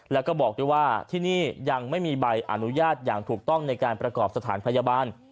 แล้วก็บอกด้วยว่าที่นี่ยังไม่มีใบอนุญาตอย่างถูกต้องในการประกอบสถานพยาบาล